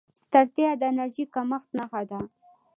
ستړیا د انرژۍ کمښت نښه ده